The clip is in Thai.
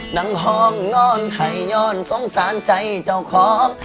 นั่งห้องนอนไข่ย่อนสงสารใจเจ้าของ